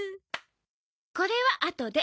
これはあとで。